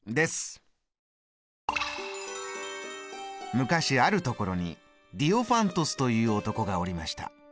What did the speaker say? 昔あるところにディオファントスという男がおりました。